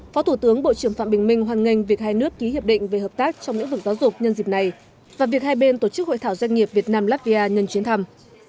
phó thủ tướng bộ trưởng phạm bình minh hoan nghênh việc hai nước ký hiệp định về hợp tác trong lĩnh vực giáo dục nhân dịp này và việc hai bên tổ chức hội thảo doanh nghiệp việt nam latvia nhân chuyến thăm